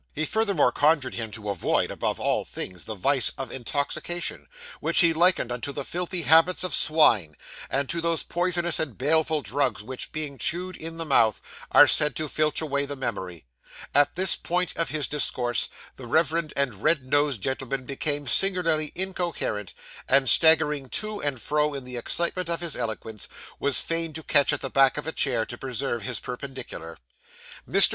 He furthermore conjured him to avoid, above all things, the vice of intoxication, which he likened unto the filthy habits of swine, and to those poisonous and baleful drugs which being chewed in the mouth, are said to filch away the memory. At this point of his discourse, the reverend and red nosed gentleman became singularly incoherent, and staggering to and fro in the excitement of his eloquence, was fain to catch at the back of a chair to preserve his perpendicular. Mr.